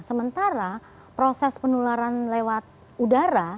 sementara proses penularan lewat udara